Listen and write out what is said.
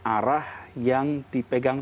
arah yang dipegang